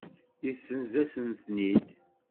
Yessenz-asen-ten-id.